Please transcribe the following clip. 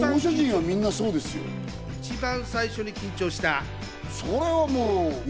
一番最初に緊張した。